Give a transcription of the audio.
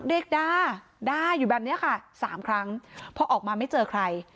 เด็กด้าด่าอยู่แบบนี้ค่ะสามครั้งพอออกมาไม่เจอใคร